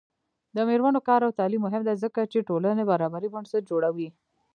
د میرمنو کار او تعلیم مهم دی ځکه چې ټولنې برابرۍ بنسټ جوړوي.